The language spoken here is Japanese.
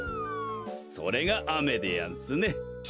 それがあめでやんすね。